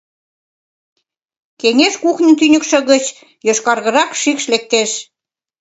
Кеҥеж кухньын тӱньыкшӧ гыч йошкаргырак шикш лектеш.